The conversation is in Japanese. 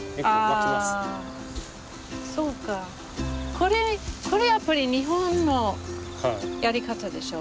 これやっぱり日本のやり方でしょ？